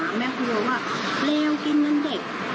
เราก็ต้องห่วงเพราะว่าเราก็อยู่ไม่ได้อยู่ก็ไม่จบไม่สิ้นอยู่ก็มีปัญหาไม่อยู่